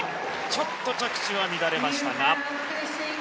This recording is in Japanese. ちょっと着地は乱れましたが。